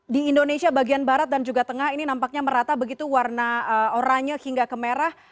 di indonesia bagian barat dan juga tengah ini nampaknya merata begitu warna oranye hingga kemerah